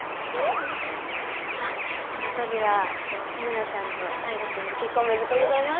あっこの度はせれなちゃんと大河君の結婚おめでとうございます。